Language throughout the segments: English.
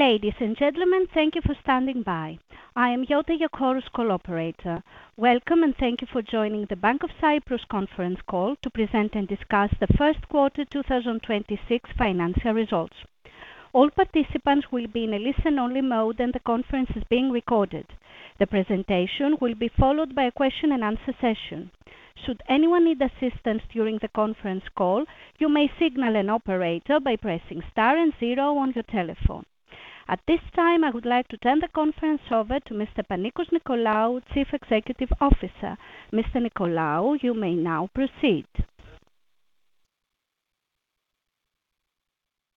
Ladies and gentlemen, thank you for standing by. I am Yota Yakourou, call operator. Welcome, and thank you for joining the Bank of Cyprus conference call to present and discuss the first quarter 2026 financial results. All participants will be in a listen only mode, and the conference is being recorded. The presentation will be followed by a question and answer session. Should anyone need assistance during the conference call, you may signal an operator by pressing star and zero on your telephone. At this time, I would like to turn the conference over to Mr. Panicos Nicolaou, Chief Executive Officer. Mr. Nicolaou, you may now proceed.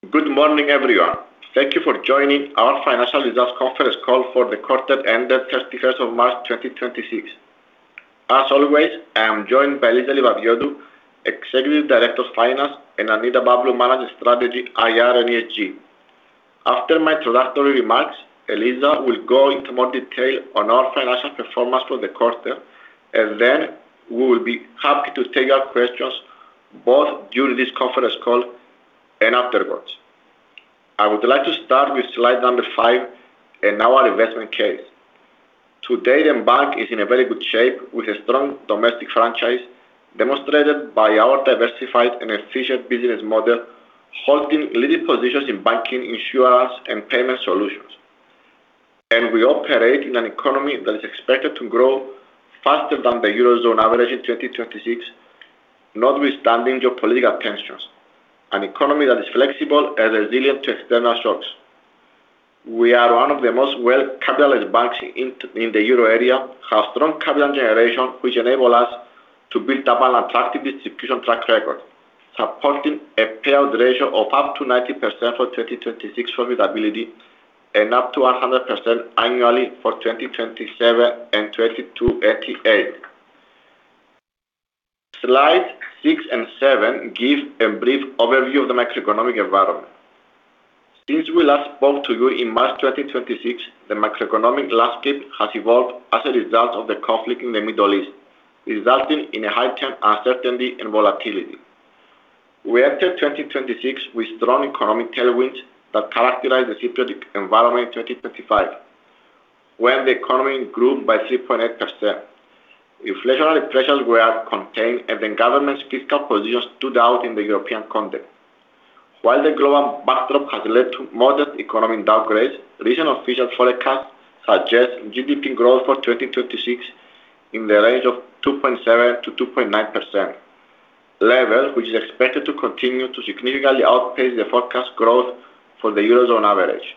Good morning, everyone. Thank you for joining our financial results conference call for the quarter ended 31st of March, 2026. As always, I am joined by Eliza Livadiotou, Executive Director of Finance, and Annita Pavlou, Manager Strategy, IR, and ESG. After my introductory remarks, Eliza will go into more detail on our financial performance for the quarter, and then we will be happy to take your questions both during this conference call and afterwards. I would like to start with slide number five and our investment case. Today, the bank is in a very good shape with a strong domestic franchise demonstrated by our diversified and efficient business model, holding leading positions in banking, insurance, and payment solutions. We operate in an economy that is expected to grow faster than the Eurozone average in 2026, notwithstanding geopolitical tensions, an economy that is flexible and resilient to external shocks. We are one of the most well-capitalized banks in the Euro area, have strong capital generation, which enable us to build up an attractive distribution track record, supporting a payout ratio of up to 90% for 2026 profitability and up to 100% annually for 2027 and 2028. Slide six and seven give a brief overview of the macroeconomic environment. Since we last spoke to you in March 2026, the macroeconomic landscape has evolved as a result of the conflict in the Middle East, resulting in heightened uncertainty and volatility. We entered 2026 with strong economic tailwinds that characterize the Cypriot environment in 2025, when the economy grew by 3.8%. Inflationary pressures were contained, and the government's fiscal position stood out in the European context. While the global backdrop has led to modest economic downgrades, recent official forecasts suggest GDP growth for 2026 in the range of 2.7%-2.9%, level which is expected to continue to significantly outpace the forecast growth for the Eurozone average.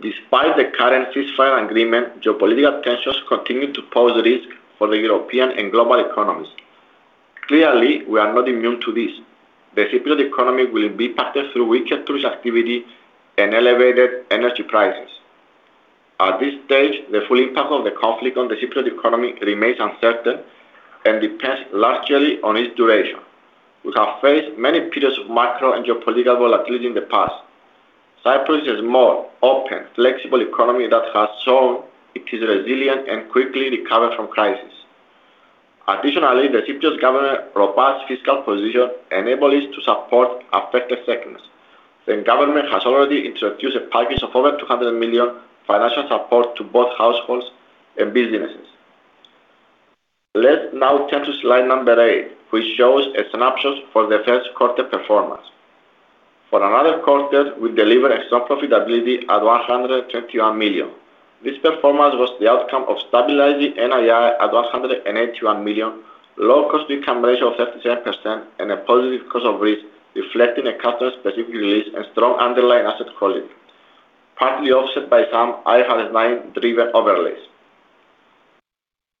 Despite the current ceasefire agreement, geopolitical tensions continue to pose a risk for the European and global economies. Clearly, we are not immune to this. The Cypriot economy will be impacted through weaker tourist activity and elevated energy prices. At this stage, the full impact of the conflict on the Cypriot economy remains uncertain and depends largely on its duration. We have faced many periods of macro and geopolitical volatility in the past. Cyprus is a small, open, flexible economy that has shown it is resilient and quickly recover from crisis. Additionally, the Cyprus government robust fiscal position enable it to support affected sectors. The government has already introduced a package of over 200 million financial support to both households and businesses. Let's now turn to slide number eight, which shows a snapshot for the first quarter performance. For another quarter, we delivered strong profitability at 121 million. This performance was the outcome of stabilizing NII at 181 million, low cost income ratio of 37%, and a positive cost of risk, reflecting a customer-specific release and strong underlying asset quality, partly offset by some IFRS 9-driven overlays.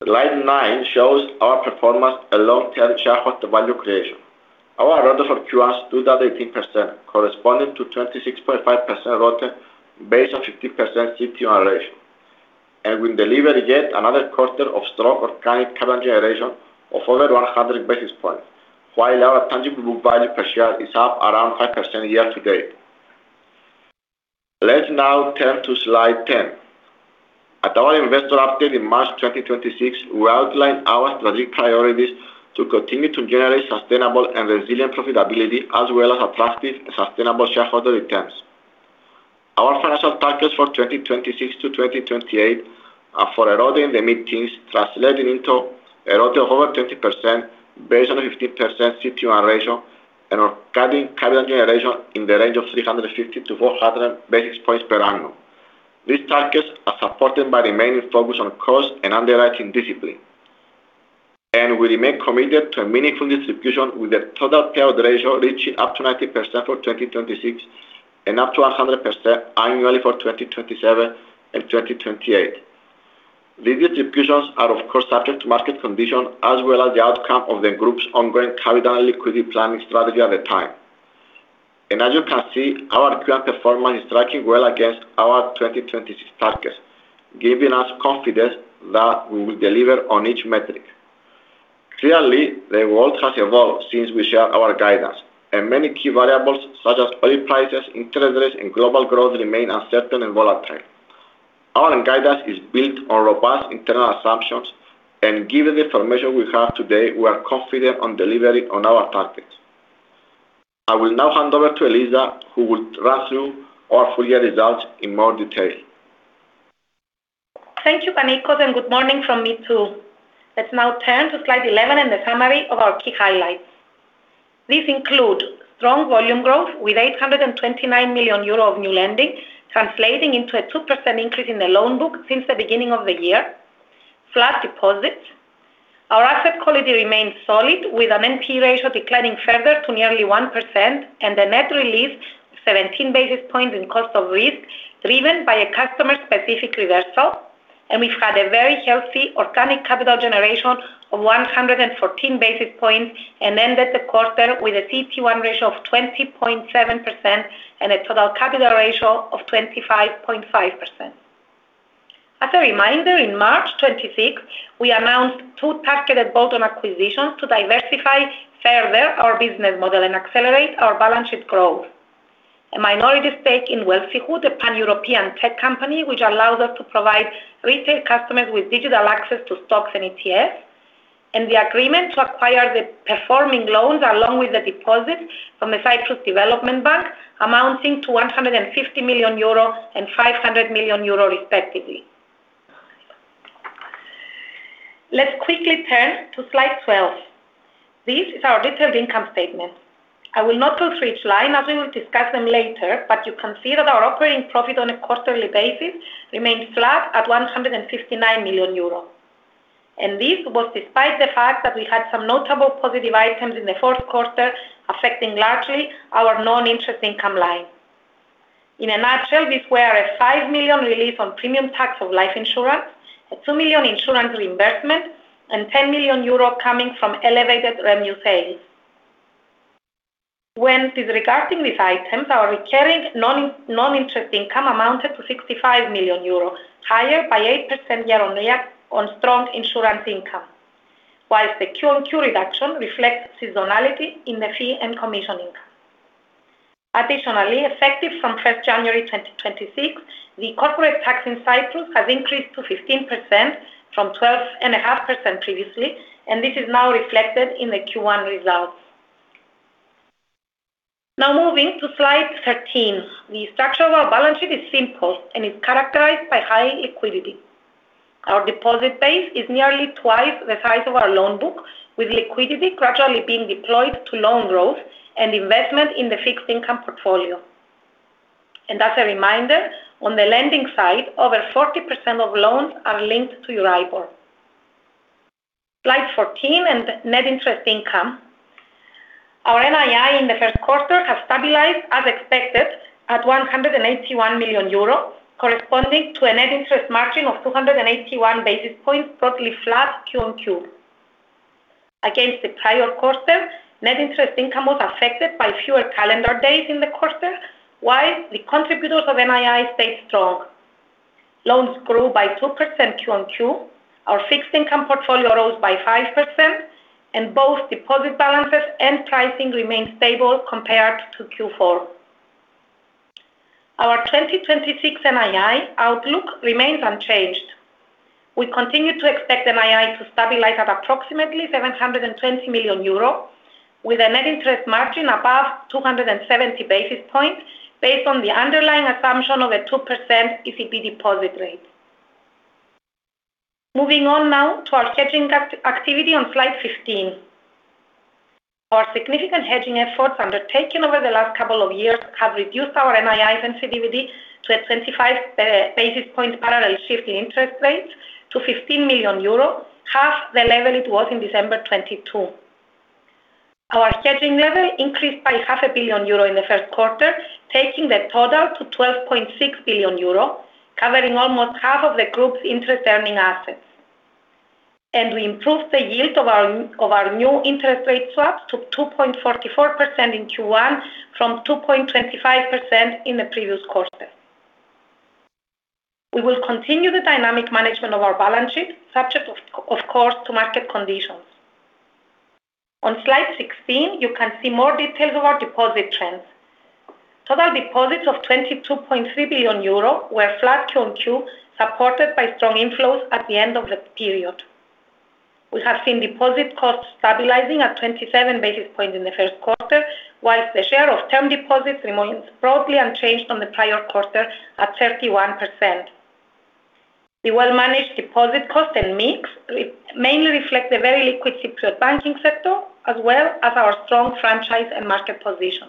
Slide 9 shows our performance and long-term shareholder value creation. Our return for Q1 stood at 18%, corresponding to 26.5% return based on 15% CET1 ratio. We delivered yet another quarter of strong organic capital generation of over 100 basis points, while our tangible book value per share is up around 5% year-to-date. Let's now turn to slide 10. At our investor update in March 2026, we outlined our strategic priorities to continue to generate sustainable and resilient profitability as well as attractive and sustainable shareholder returns. Our financial targets for 2026-2028 are for a return in the mid-teens, translating into a return of over 20% based on a 15% CET1 ratio and organic capital generation in the range of 350-400 basis points per annum. These targets are supported by remaining focused on cost and underwriting discipline. We remain committed to a meaningful distribution, with the total payout ratio reaching up to 90% for 2026 and up to 100% annually for 2027 and 2028. These distributions are, of course, subject to market conditions as well as the outcome of the group's ongoing capital and liquidity planning strategy at the time. As you can see, our current performance is tracking well against our 2026 targets, giving us confidence that we will deliver on each metric. Clearly, the world has evolved since we shared our guidance, and many key variables such as oil prices, interest rates, and global growth remain uncertain and volatile. Our guidance is built on robust internal assumptions, and given the information we have today, we are confident on delivering on our targets. I will now hand over to Eliza, who will run through our full year results in more detail. Thank you, Panicos, and good morning from me, too. Let's now turn to slide 11 and the summary of our key highlights. These include strong volume growth with 829 million euro of new lending, translating into a 2% increase in the loan book since the beginning of the year. Flat deposits. Our asset quality remains solid, with an NPE ratio declining further to nearly 1% and a net release 17 basis points in cost of risk, driven by a customer-specific reversal. We've had a very healthy organic capital generation of 114 basis points and ended the quarter with a CET1 ratio of 20.7% and a total capital ratio of 25.5%. As a reminder, in March 2026, we announced two targeted bolt-on acquisitions to diversify further our business model and accelerate our balance sheet growth. A minority stake in Wealthyhood, a Pan-European tech company, which allows us to provide retail customers with digital access to stocks and ETFs, and the agreement to acquire the performing loans along with the deposits from the Cyprus Development Bank, amounting to 150 million euro and 500 million euro respectively. Let's quickly turn to slide 12. This is our detailed income statement. I will not go through each line, as we will discuss them later, but you can see that our operating profit on a quarterly basis remains flat at 159 million euros. This was despite the fact that we had some notable positive items in the fourth quarter, affecting largely our non-interest income line. In a nutshell, these were a 5 million relief on premium tax of life insurance, a 2 million insurance reimbursement, and 10 million euro coming from elevated REMU sales. When disregarding these items, our recurring non-interest income amounted to 65 million euro, higher by 8% year-on-year on strong insurance income. While the QoQ reduction reflects seasonality in the fee and commission income. Additionally, effective from first January 2026, the corporate tax in Cyprus has increased to 15% from 12.5% previously, and this is now reflected in the Q1 results. Now moving to slide 13. The structure of our balance sheet is simple and is characterized by high liquidity. Our deposit base is nearly twice the size of our loan book, with liquidity gradually being deployed to loan growth and investment in the fixed income portfolio. As a reminder, on the lending side, over 40% of loans are linked to Euribor. Slide 14 net interest income. Our NII in the first quarter has stabilized as expected at 181 million euro, corresponding to a net interest margin of 281 basis points, broadly flat QoQ. Against the prior quarter, net interest income was affected by fewer calendar days in the quarter, while the contributors of NII stayed strong. Loans grew by 2% QoQ. Our fixed income portfolio rose by 5%, and both deposit balances and pricing remained stable compared to Q4. Our 2026 NII outlook remains unchanged. We continue to expect NII to stabilize at approximately 720 million euro, with a net interest margin above 270 basis points, based on the underlying assumption of a 2% ECB deposit rate. Moving on now to our hedging activity on slide 15. Our significant hedging efforts undertaken over the last couple of years have reduced our NII sensitivity to a 25 basis point parallel shift in interest rates to 15 million euro, half the level it was in December 2022. Our hedging level increased by 500 million euro in the first quarter, taking the total to 12.6 billion euro, covering almost half of the group's interest-earning assets. We improved the yield of our new interest rate swaps to 2.44% in Q1 from 2.25% in the previous quarter. We will continue the dynamic management of our balance sheet, subject of course, to market conditions. On slide 16, you can see more details of our deposit trends. Total deposits of 22.3 billion euro were flat QoQ, supported by strong inflows at the end of the period. We have seen deposit costs stabilizing at 27 basis points in the first quarter, whilst the share of term deposits remains broadly unchanged from the prior quarter at 31%. The well-managed deposit cost and mix mainly reflect the very liquid Cypriot banking sector, as well as our strong franchise and market position.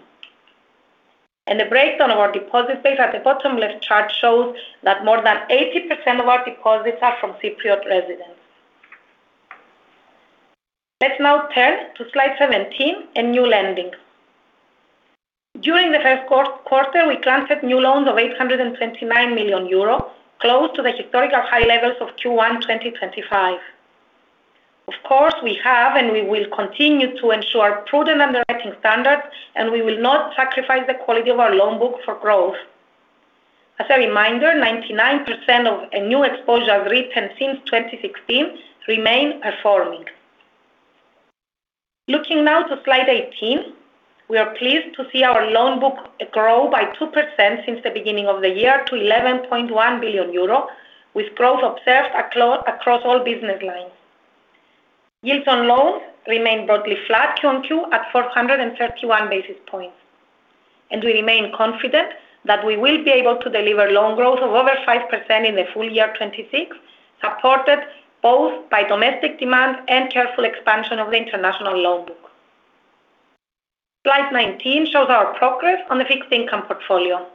The breakdown of our deposit base at the bottom left chart shows that more than 80% of our deposits are from Cypriot residents. Let's now turn to slide 17, a new lending. During the first quarter, we granted new loans of 829 million euro, close to the historical high levels of Q1 2025. Of course, we have and we will continue to ensure prudent underwriting standards, and we will not sacrifice the quality of our loan book for growth. As a reminder, 99% of a new exposure written since 2016 remain performing. Looking now to slide 18, we are pleased to see our loan book grow by 2% since the beginning of the year to 11.1 billion euro, with growth observed across all business lines. Yields on loans remain broadly flat Q-on-Q at 431 basis points. We remain confident that we will be able to deliver loan growth of over 5% in the full year 2026, supported both by domestic demand and careful expansion of the international loan book. Slide 19 shows our progress on the fixed income portfolio.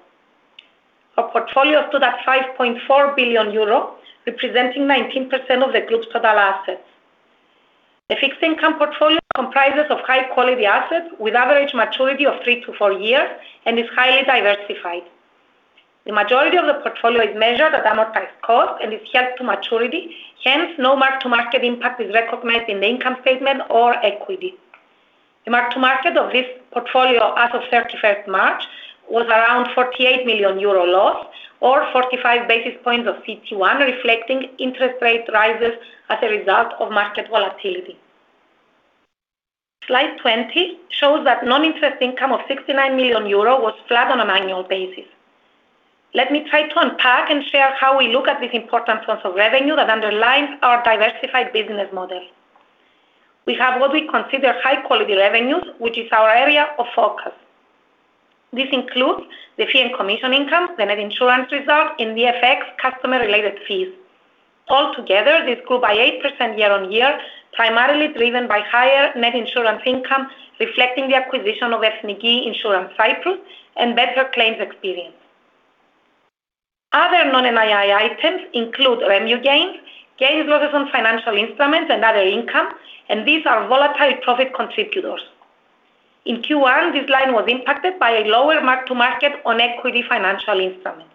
Our portfolio stood at 5.4 billion euro, representing 19% of the group's total assets. The fixed income portfolio comprises of high quality assets with average maturity of three to four years and is highly diversified. The majority of the portfolio is measured at amortized cost and is held to maturity, hence no mark-to-market impact is recognized in the income statement or equity. The mark-to-market of this portfolio as of March 31st was around 48 million euro loss or 45 basis points of CET1, reflecting interest rate rises as a result of market volatility. Slide 20 shows that non-interest income of 69 million euro was flat on an annual basis. Let me try to unpack and share how we look at this important source of revenue that underlines our diversified business model. We have what we consider high quality revenues, which is our area of focus. This includes the fee and commission income, the net insurance reserve, and the FX customer related fees. Altogether, this grew by 8% year-on-year, primarily driven by higher net insurance income, reflecting the acquisition of Ethniki Insurance Cyprus and better claims experience. Other non-NII items include REMU gains losses on financial instruments and other income. These are volatile profit contributors. In Q1, this line was impacted by a lower mark-to-market on equity financial instruments.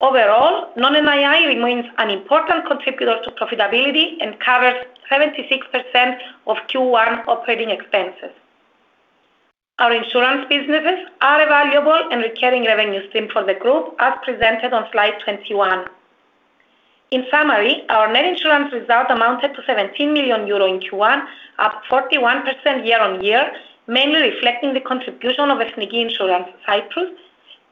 Overall, non-NII remains an important contributor to profitability and covers 76% of Q1 operating expenses. Our insurance businesses are a valuable and recurring revenue stream for the group, as presented on slide 21. In summary, our net insurance result amounted to 17 million euro in Q1, up 41% year-on-year, mainly reflecting the contribution of Ethniki Insurance Cyprus,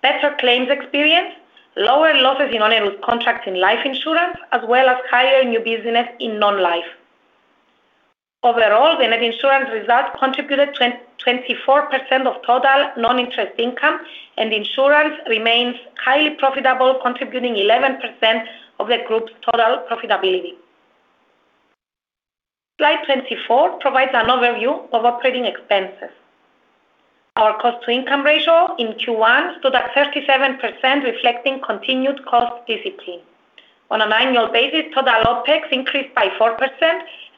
better claims experience, lower losses in onerous contracts in life insurance, as well as higher new business in non-life. Overall, the net insurance results contributed 24% of total non-interest income and insurance remains highly profitable, contributing 11% of the group's total profitability. Slide 24 provides an overview of operating expenses. Our cost to income ratio in Q1 stood at 37%, reflecting continued cost discipline. On an annual basis, total OpEx increased by 4%,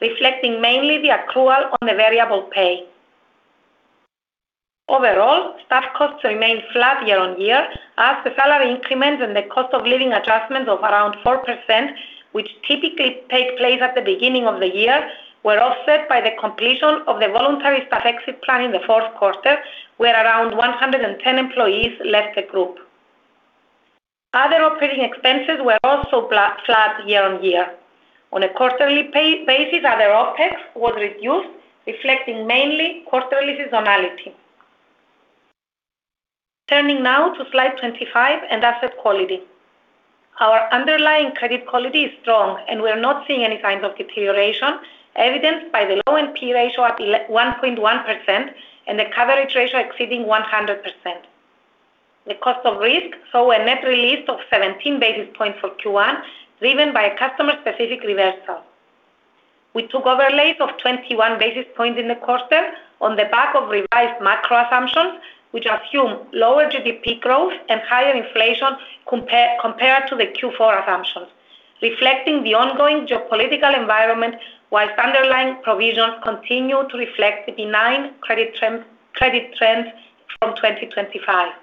reflecting mainly the accrual on the variable pay. Overall, staff costs remained flat year-on-year as the salary increments and the cost of living adjustments of around 4%, which typically take place at the beginning of the year, were offset by the completion of the voluntary staff exit plan in the fourth quarter, where around 110 employees left the group. Other operating expenses were also flat year-on-year. On a quarterly basis, other OpEx was reduced, reflecting mainly quarterly seasonality. Turning now to slide 25 and asset quality. Our underlying credit quality is strong, and we are not seeing any signs of deterioration, evidenced by the low NPE ratio at 1.1% and the coverage ratio exceeding 100%. The cost of risk saw a net release of 17 basis points for Q1, driven by a customer-specific reversal. We took overlays of 21 basis points in the quarter on the back of revised macro assumptions, which assume lower GDP growth and higher inflation compared to the Q4 assumptions, reflecting the ongoing geopolitical environment, whilst underlying provisions continue to reflect the benign credit trends from 2025.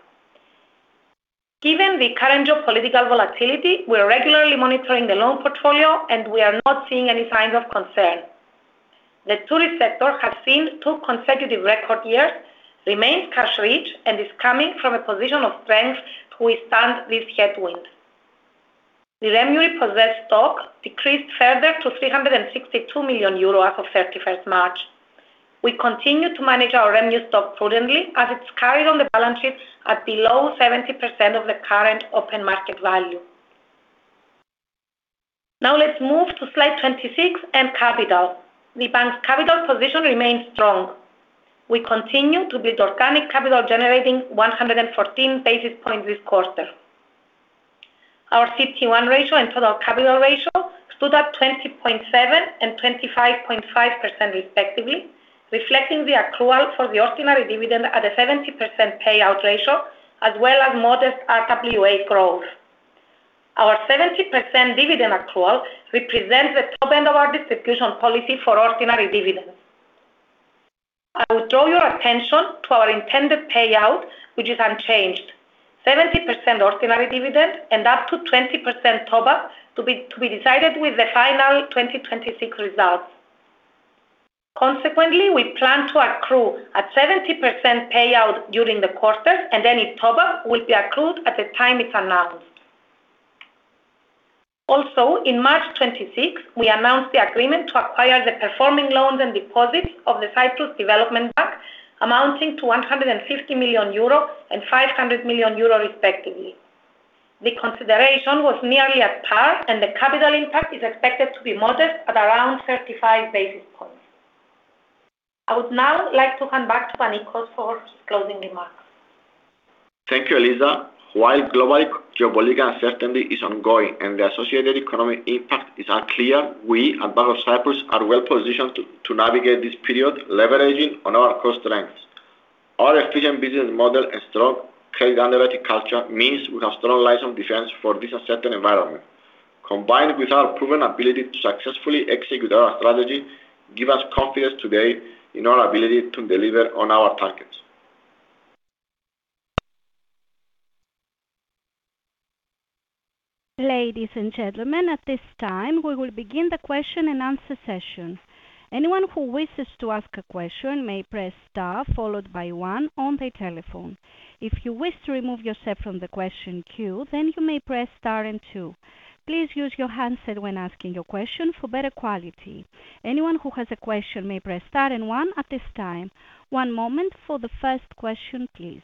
Given the current geopolitical volatility, we are regularly monitoring the loan portfolio, and we are not seeing any signs of concern. The tourist sector has seen two consecutive record years, remains cash rich, and is coming from a position of strength to withstand this headwind. The REMU repossessed stock decreased further to 362 million euro as of March 31. We continue to manage our REMU stock prudently as it's carried on the balance sheet at below 70% of the current open market value. Let's move to slide 26 and capital. The bank's capital position remains strong. We continue to build organic capital, generating 114 basis points this quarter. Our CET1 ratio and total capital ratio stood at 20.7% and 25.5% respectively, reflecting the accrual for the ordinary dividend at a 70% payout ratio, as well as modest RWA growth. Our 70% dividend accrual represents the top end of our distribution policy for ordinary dividends. I will draw your attention to our intended payout, which is unchanged. 70% ordinary dividend and up to 20% top-up to be decided with the final 2026 results. Consequently, we plan to accrue a 70% payout during the quarter and any top-up will be accrued at the time it is announced. In March 2026, we announced the agreement to acquire the performing loans and deposits of the Cyprus Development Bank amounting to 150 million euro and 500 million euro respectively. The consideration was nearly at par, and the capital impact is expected to be modest at around 35 basis points. I would now like to hand back to Panicos for his closing remarks. Thank you, Eliza. While global geopolitical uncertainty is ongoing and the associated economic impact is unclear, we at Bank of Cyprus are well-positioned to navigate this period, leveraging on our core strengths. Our efficient business model and strong credit underwriting culture means we have strong lines of defense for this uncertain environment. Combined with our proven ability to successfully execute our strategy, give us confidence today in our ability to deliver on our targets. Ladies and gentlemen, at this time, we will begin the question and answer session. Anyone who wishes to ask a question may press star followed by one on their telephone. If you wish to remove yourself from the question queue, you may press star and two. Please use your handset when asking your question for better quality. Anyone who has a question may press star and one at this time. One moment for the first question, please.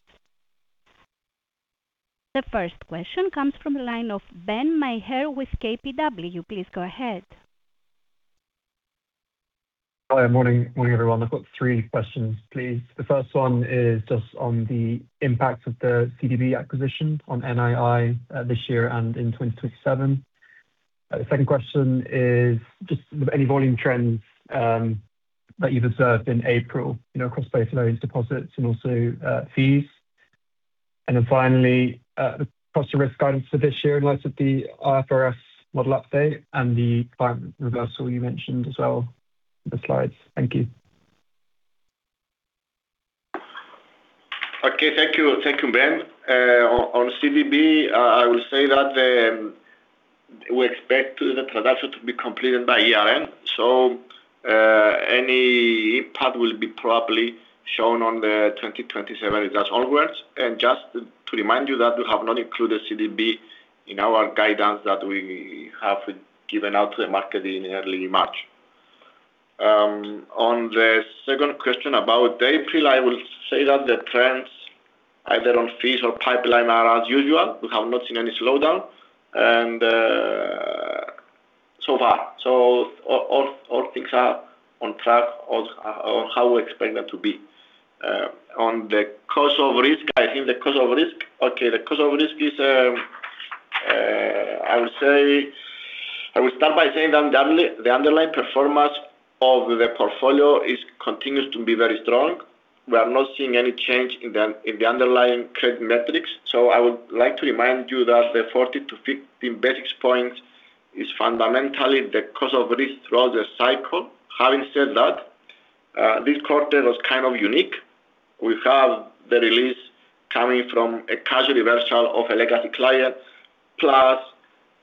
The first question comes from the line of Ben Maher with KBW. Please go ahead. Hi, morning, everyone. I've got three questions, please. The first one is just on the impact of the CDB acquisition on NII this year and in 2027. The second question is just any volume trends that you've observed in April, you know, across both loans, deposits, and also fees. Finally, across the risk guidance for this year in light of the IFRS model update and the climate reversal you mentioned as well in the slides. Thank you. Okay, thank you. Thank you, Ben. On CDB, I will say that we expect the transaction to be completed by year-end. Any impact will be probably shown on the 2027 results onwards. Just to remind you that we have not included CDB in our guidance that we have given out to the market in early March. On the second question about April, I will say that the trends either on fees or pipeline are as usual. We have not seen any slowdown so far. All things are on track or how we expect them to be. On the cost of risk, the cost of risk is, I would say, I would start by saying that the underlying performance of the portfolio continues to be very strong. We are not seeing any change in the underlying credit metrics. I would like to remind you that the 40 to 15 basis points is fundamentally the cost of risk throughout the cycle. Having said that, this quarter was kind of unique. We have the release coming from a cash reversal of a legacy client, plus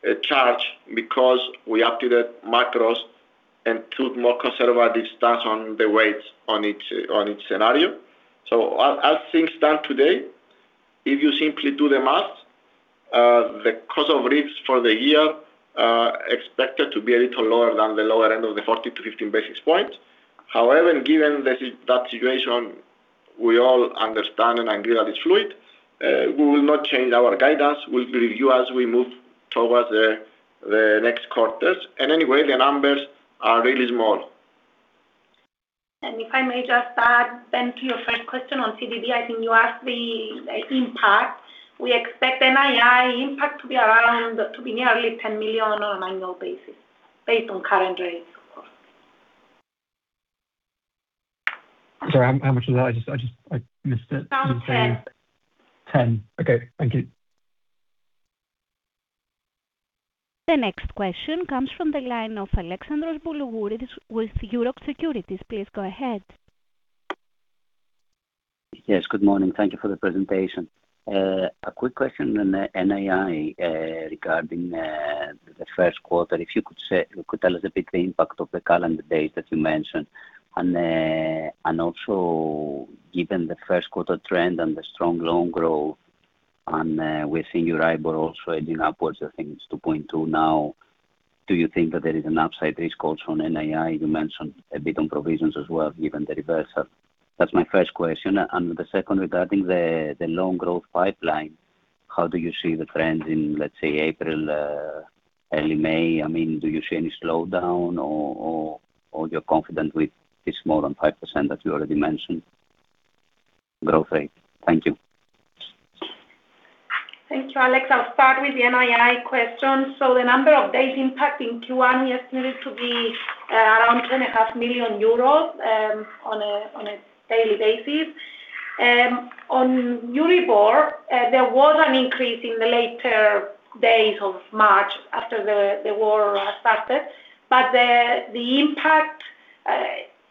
a charge because we updated macros and took more conservative stance on the weights on each scenario. As, as things stand today, if you simply do the math, the cost of risk for the year, expected to be a little lower than the lower end of the 40-15 basis points. However, given that situation, we all understand and agree that it's fluid, we will not change our guidance. We'll review as we move towards the next quarters. Anyway, the numbers are really small. If I may just add then to your first question on CDB, I think you asked the impact. We expect NII impact to be nearly 10 million on an annual basis, based on current rates, of course. Sorry, how much was that? I just I missed it. Around 10 million. 10 million. Okay, thank you. The next question comes from the line of Alex Boulougouris with Euroxx Securities. Please go ahead. Yes, good morning. Thank you for the presentation. A quick question on the NII regarding the first quarter. Could tell us a bit the impact of the calendar days that you mentioned. Also, given the first quarter trend and the strong loan growth, and we're seeing your Euribor also edging upwards, I think it's 2.2% now. Do you think that there is an upside risk also on NII? You mentioned a bit on provisions as well, given the reversal. That's my first question. The second regarding the loan growth pipeline, how do you see the trend in, let's say, April, early May? I mean, do you see any slowdown or you're confident with this more than 5% that you already mentioned growth rate? Thank you. Thank you, Alex. I'll start with the NII question. The number of days impact in Q1 is estimated to be around 10.5 million euros on a daily basis. On Euribor, there was an increase in the later days of March after the war started, but the impact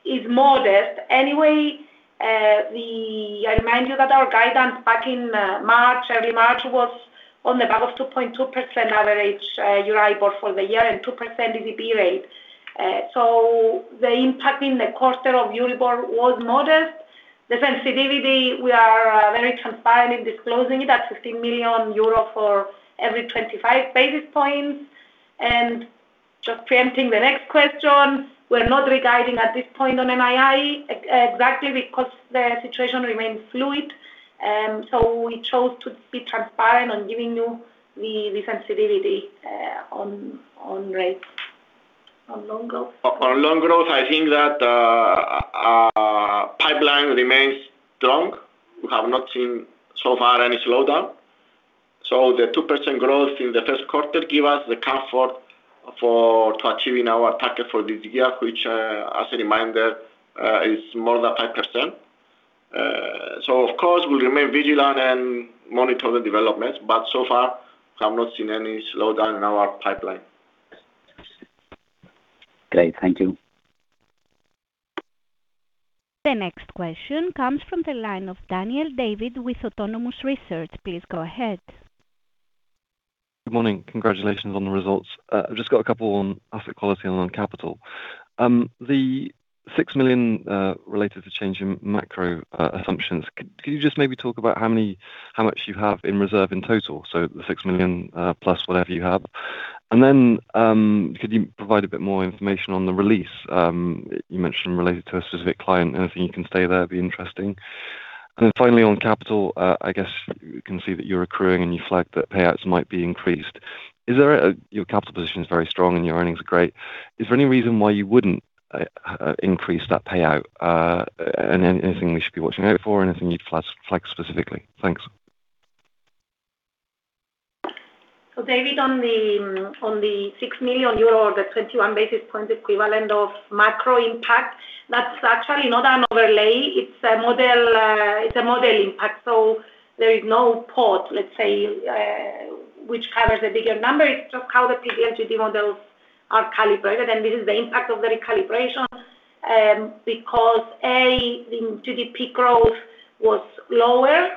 is modest. Anyway, I remind you that our guidance back in March, early March, was on the back of 2.2% average Euribor for the year and 2% ECB rate. The impact in the quarter of Euribor was modest. The sensitivity, we are very transparent in disclosing that 15 million euro for every 25 basis points. Just preempting the next question, we're not regarding at this point on NII exactly because the situation remains fluid. We chose to be transparent on giving you the sensitivity on rates. On loan growth? On loan growth, I think that our pipeline remains strong. We have not seen so far any slowdown. The 2% growth in the first quarter give us the comfort to achieving our target for this year, which, as a reminder, is more than 5%. Of course, we'll remain vigilant and monitor the developments. So far we have not seen any slowdown in our pipeline. Great. Thank you. The next question comes from the line of Daniel David with Autonomous Research. Please go ahead. Good morning. Congratulations on the results. I've just got a couple on asset quality and on capital. The 6 million related to change in macro assumptions, could you just maybe talk about how much you have in reserve in total? The 6 million plus whatever you have. Could you provide a bit more information on the release you mentioned related to a specific client? Anything you can say there would be interesting. Finally, on capital, I guess we can see that you're accruing, and you flagged that payouts might be increased. Your capital position is very strong, and your earnings are great. Is there any reason why you wouldn't increase that payout? Anything we should be watching out for? Anything you'd flag specifically? Thanks. David, on the 6 million euro, the 21 basis points equivalent of macro impact, that's actually not an overlay, it's a model, it's a modeling impact. There is no port, let's say, which covers the bigger number. It's just how the PD & LGD models are calibrated, and this is the impact of the recalibration, because, A, the GDP growth was lower,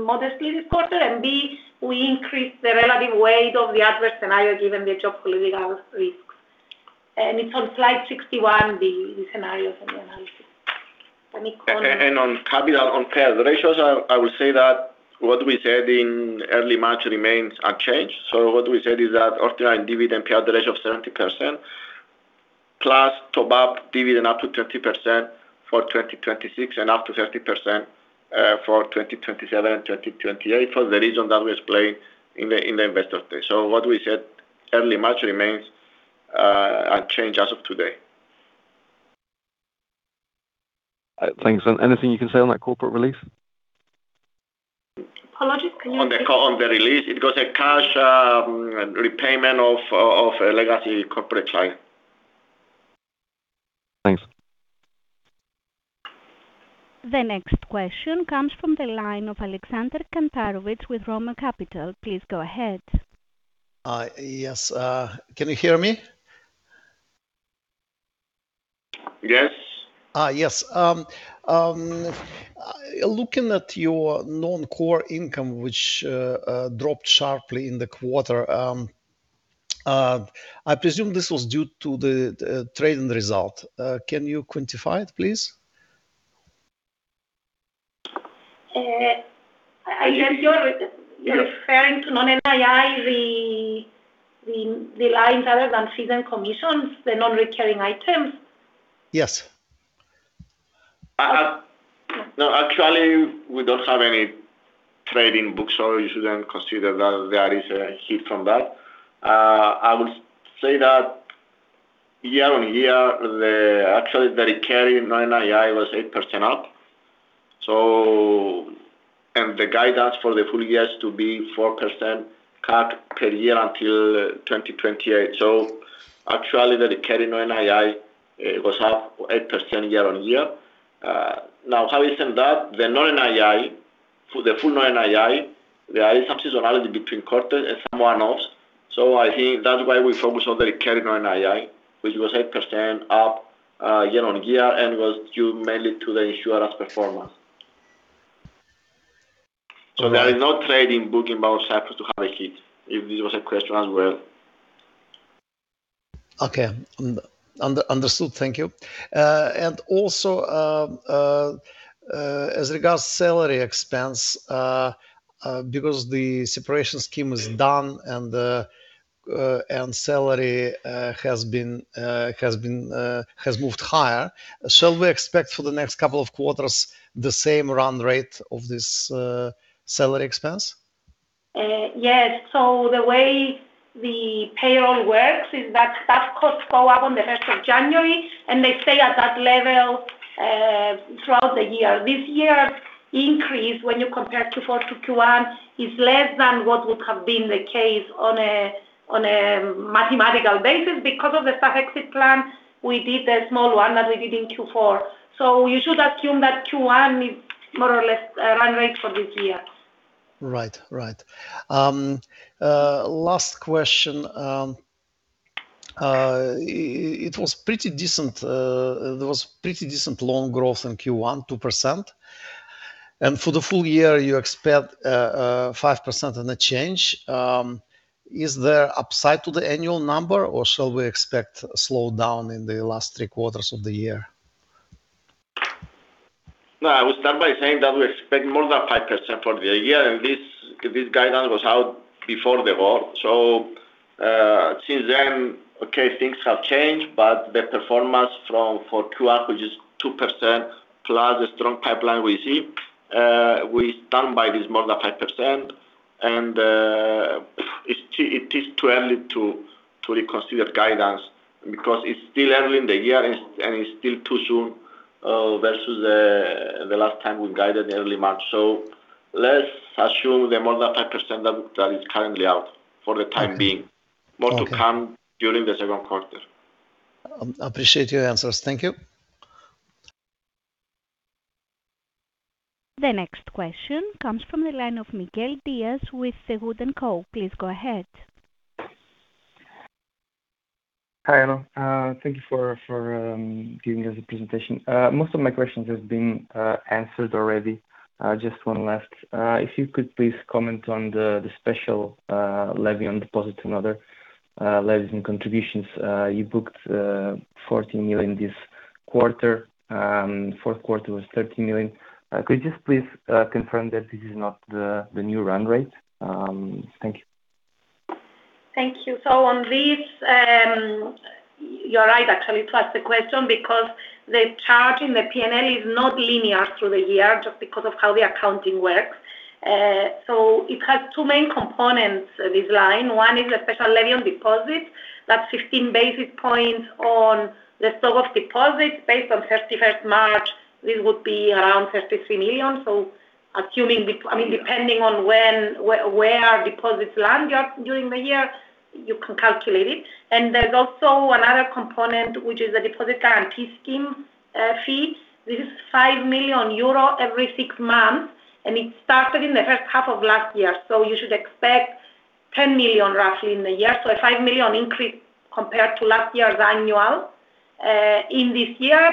modestly this quarter, and B, we increased the relative weight of the adverse scenario given the geopolitical risks. It's on slide 61, the scenarios and the analysis. Panicos? On capital, on payout ratios, I would say that what we said in early March remains unchanged. What we said is that after our dividend payout ratio of 70%, plus top-up dividend up to 30% for 2026, and up to 30% for 2027 and 2028 for the reason that we explained in the Investors Day. What we said early March remains unchanged as of today. Thanks. Anything you can say on that corporate release? Apologies. On the release, it was a cash repayment of a legacy corporate client. Thanks. The next question comes from the line of Alexander Kantarovich with Roemer Capital. Please go ahead. Yes. Can you hear me? Yes. Looking at your non-core income, which dropped sharply in the quarter, I presume this was due to the trading result. Can you quantify it, please? I guess you're re-referring to non-NII, the lines other than fees and commissions, the non-recurring items? Yes. No, actually, we don't have any trading books, so we shouldn't consider that there is a hit from that. I would say that year-on-year, the actually, the recurring non-NII was 8% up. The guidance for the full year is to be 4% CAGR per year until 2028. Actually, the recurring non-NII was up 8% year-on-year. Now having said that, the non-NII, for the full non-NII, there is some seasonality between quarters and some one-offs, so I think that's why we focus on the recurring non-NII, which was 8% up year-on-year and was due mainly to the insurance performance. Okay. There is no trading book in Bank of Cyprus to have a hit, if this was a question as well. Okay. Understood. Thank you. Also, as regards salary expense, because the separation scheme is done and the and salary has been moved higher, shall we expect for the next couple of quarters the same run rate of this salary expense? Yes. The way the payroll works is that staff costs go up on the first of January, and they stay at that level throughout the year. This year's increase, when you compare to Q4 to Q1, is less than what would have been the case on a mathematical basis. Because of the staff exit plan, we did a small one that we did in Q4. You should assume that Q1 is more or less a run rate for this year. Right. Right. last question. It was pretty decent, there was pretty decent loan growth in Q1, 2%. For the full year, you expect, 5% on the change. Is there upside to the annual number, or shall we expect a slowdown in the last three quarters of the year? I would start by saying that we expect more than 5% for the year. This guidance was out before the war. Since then, okay, things have changed, The performance from, for 2% averages, 2%, plus the strong pipeline we see, we stand by this more than 5%. It is too early to reconsider guidance because it is still early in the year and it is still too soon versus the last time we guided early March. Let's assume the more than 5% that is currently out for the time being. Okay. More to come during the second quarter. Appreciate your answers. Thank you. The next question comes from the line of Miguel Dias with Wood & Company. Please go ahead. Hi, Anna. Thank you for giving us the presentation. Most of my questions have been answered already. Just one last. If you could please comment on the special levy on deposit and other levies and contributions. You booked 14 million this quarter. Fourth quarter was 13 million. Could you just please confirm that this is not the new run rate? Thank you. Thank you. On this, you're right, actually, to ask the question because the charge in the P&L is not linear through the year just because of how the accounting works. It has two main components, this line. One is a special levy on deposit. That is 15 basis points on the stock of deposits based on 31st March. This would be around 33 million. Assuming, I mean, depending on when deposits land during the year, you can calculate it. There is also another component, which is the deposit guarantee scheme fees. This is 5 million euro every 6 months, and it started in the first half of last year. You should expect 10 million roughly in the year. A 5 million increase compared to last year's annual in this year.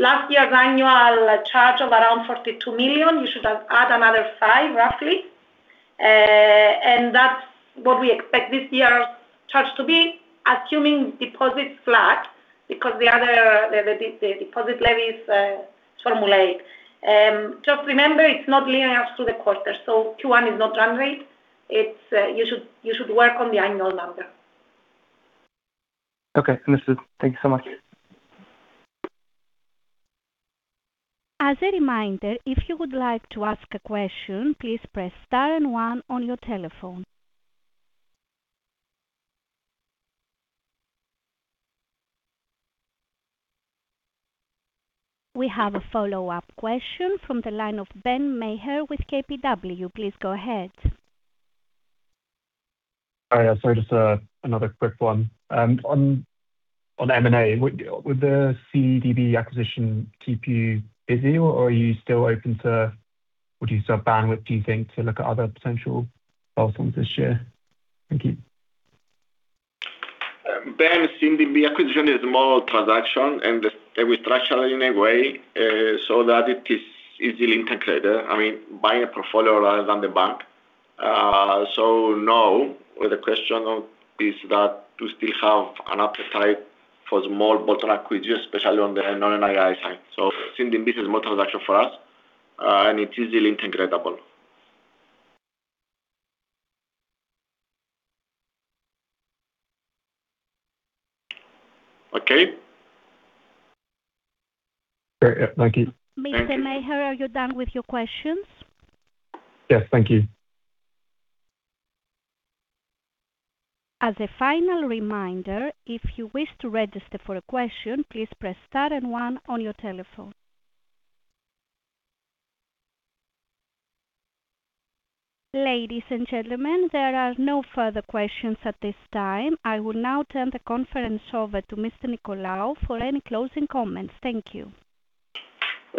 Last year's annual charge of around 42 million, you should add another 5 million, roughly. That's what we expect this year's charge to be, assuming deposits flat because the deposit level is formulated. Just remember, it's not linear through the quarter. Q1 is not run rate. It's, you should work on the annual number. Okay. Understood. Thank you so much. As a reminder if you would like to ask a question please press star and one on your telephone. We have a follow-up question from the line of Ben Maher with KBW. Please go ahead. All right. Sorry, just another quick one. On M&A, would the CDB acquisition keep you busy or would you still have bandwidth, do you think, to look at other potential platforms this year? Thank you. Ben, CDB acquisition is more transaction, and we structure it in a way, so that it is easily integrated. I mean, buying a portfolio rather than the bank. No, the question of is that do you still have an appetite for the more bolt-on acquisitions, especially on the non-NII side. CDB is more transaction for us, and it's easily integrable. Okay? Great. Yeah, thank you. Mr. Maher, are you done with your questions? Yes, thank you. As a final reminder, if you wish to register for a question, please press star and one on your telephone. Ladies and gentlemen, there are no further questions at this time. I will now turn the conference over to Mr. Nicolaou for any closing comments. Thank you.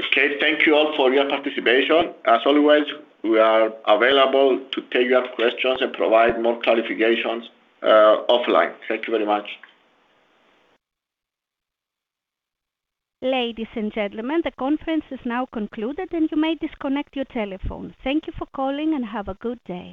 Okay. Thank you all for your participation. As always, we are available to take your questions and provide more clarifications offline. Thank you very much. Ladies and gentlemen, the conference is now concluded, and you may disconnect your telephone. Thank you for calling, and have a good day.